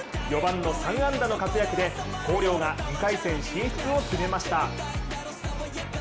４番の３安打の活躍で広陵が２回戦進出を決めました。